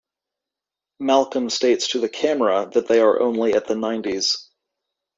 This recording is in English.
Malcolm states to the camera that they are only at the nineties.